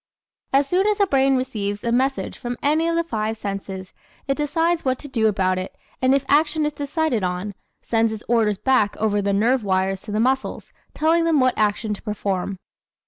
As soon as the brain receives a message from any of the five senses it decides what to do about it and if action is decided on, sends its orders back over the nerve wires to the muscles telling them what action to perform.